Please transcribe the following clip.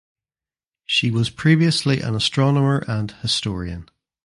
She was previously an astronomer and historian.